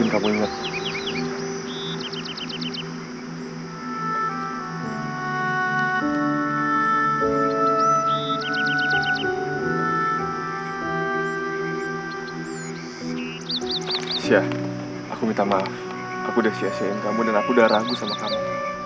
sampai jumpa di video selanjutnya